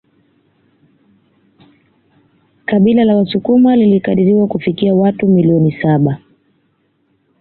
Kabila la wasukuma linakadiriwa kufikia watu milioni saba